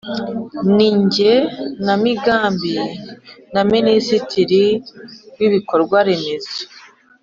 N igenamigambi na minisitiri w ibikorwa remezo